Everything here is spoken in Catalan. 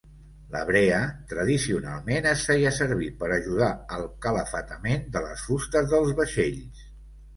La brea tradicionalment es feia servir per ajudar al calafatament de les fustes dels vaixells.